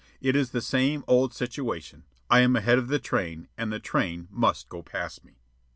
It is the same old situation. I am ahead of the train, and the train must go past me.